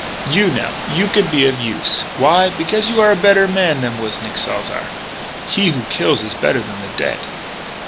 "You, now you could be of use. Why? Because you are a better man than was Nick Salzar. He who kills is better than the dead."